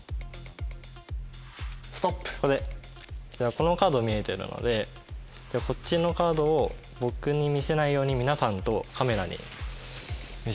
このカード見えてるのでこっちのカードを僕に見せないように皆さんとカメラに見せてください。